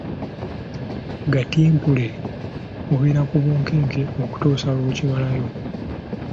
Gatimpule” obeera ku bunkenke okutuusa lw’okimalako.